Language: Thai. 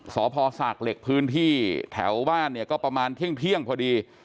มาถึงสพศาคเหล็กพศแถวบ้านก็ประมาณเที่ยงเพราะดี